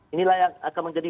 inilah yang akan menjadi